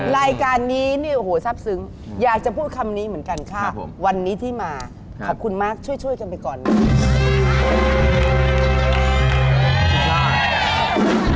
รายการนี้เนี่ยโอ้โหซับซึ้งอยากจะพูดคำนี้เหมือนกันค่ะวันนี้ที่มาขอบคุณมากช่วยกันไปก่อนนะ